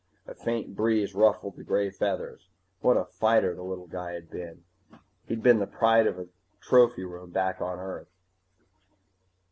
A faint breeze ruffled the gray feathers. What a fighter the little guy had been! He'd be the pride of the trophy room, back on Earth.